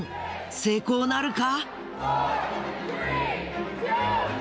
成功なるか？